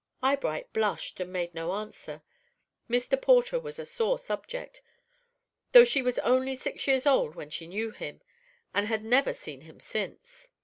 Eyebright blushed and made no answer. Mr. Porter was a sore subject, though she was only six years old when she knew him, and had never seen him since.